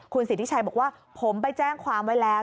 สิทธิชัยบอกว่าผมไปแจ้งความไว้แล้ว